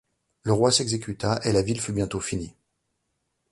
Le roi s'exécuta, et la ville fut bientôt finie.